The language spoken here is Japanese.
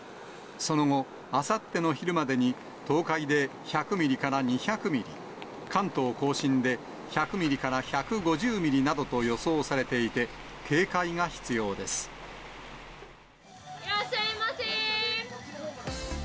その後、あさっての昼までに東海で１００ミリから２００ミリ、関東甲信で１００ミリから１５０ミリなどと予想されていて、いらっしゃいませ。